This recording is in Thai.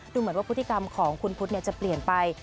ดูเหมือนว่าพฤติกรรมของคุณพุทธจะเปลี่ยนไป